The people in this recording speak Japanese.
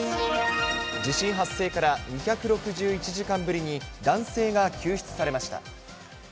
地震発生から２６１時間ぶりに男性が救出されました。